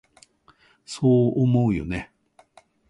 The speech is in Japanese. そう思うよね？